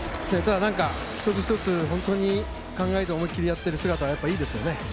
１つ１つ考えて思い切りやっている姿はいいですよね。